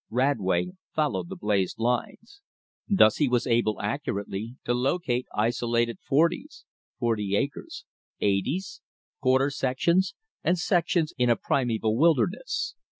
Radway followed the blazed lines. Thus he was able accurately to locate isolated "forties" (forty acres), "eighties," quarter sections, and sections in a primeval wilderness.